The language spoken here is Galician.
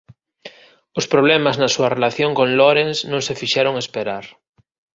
Os problemas na súa relación con Laurence non se fixeron esperar.